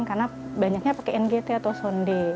karena banyaknya pakai ngt atau sonde